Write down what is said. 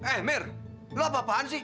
eh mir lu apa apaan sih